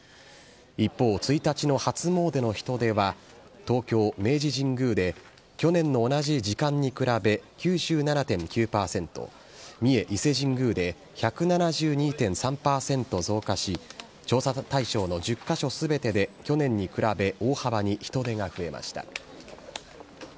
一方、１日の初詣の人出は、東京・明治神宮で去年の同じ時間に比べ、９７．９％、三重・伊勢神宮で１７２．３％増加し、調査対象の１０か所すべてで去年に比べ大幅に人出が増えました。